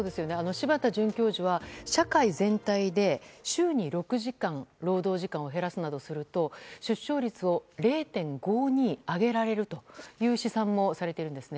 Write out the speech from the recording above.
柴田准教授は社会全体で週に６時間労働時間を減らすなどすると出生率を０．５２上げられるという試算もされているんです。